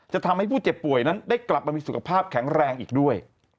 ทำให้ผู้เจ็บป่วยนั้นได้กลับมามีสุขภาพแข็งแรงอีกด้วย